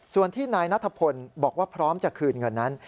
ส่วนที่นายนัทพลบอกว่าพร้อมจะคืนเงินนั้น